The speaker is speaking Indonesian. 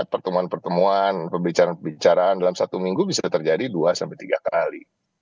pertemuan pertemuan pembicaraan pembicaraan dalam satu minggu bisa terjadi dua tiga kali